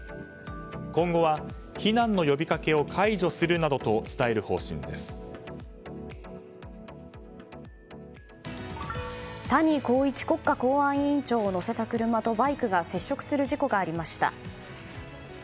今後は避難の呼びかけを谷公一国家公安委員長を乗せた車とバイクが接触する事故がありました。